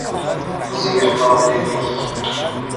زیر قابلمهای